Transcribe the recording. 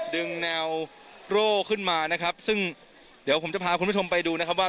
ดึงแนวโร่ขึ้นมานะครับซึ่งเดี๋ยวผมจะพาคุณผู้ชมไปดูนะครับว่า